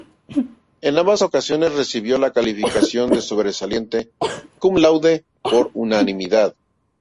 En ambas ocasiones recibió la calificación de sobresaliente "cum laude" por unanimidad.